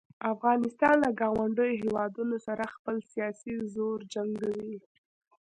افغانستان له ګاونډیو هیوادونو سره خپل سیاسي زور جنګوي.